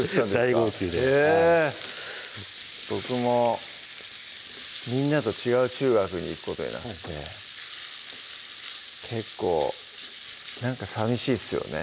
大号泣で僕もみんなと違う中学に行くことになって結構なんかさみしいっすよね